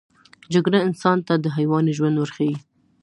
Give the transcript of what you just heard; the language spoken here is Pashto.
جګړه انسان ته د حیواني ژوند ورښيي